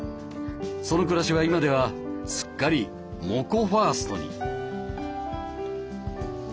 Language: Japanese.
その暮らしは今ではすっかりモコファーストに。